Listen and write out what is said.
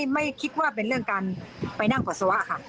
ไม่คิดว่ามันเรื่องการปล่อยหน้าก่อสวะค่ะ